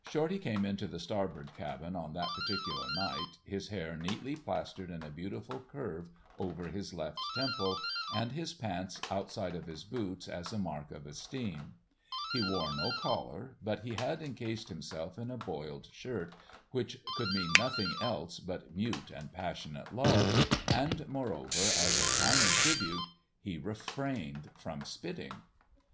Shorty came into the Starbird cabin on that particular night, his hair neatly plastered in a beautiful curve over his left temple, and his pants outside of his boots as a mark of esteem. He wore no collar, but he had encased himself in a boiled shirt, which could mean nothing else but mute and passionate love, and moreover, as a crowning tribute, he refrained from spitting.